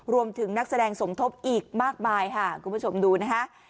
นักแสดงสมทบอีกมากมายค่ะคุณผู้ชมดูนะคะ